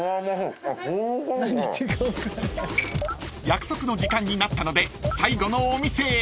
［約束の時間になったので最後のお店へ］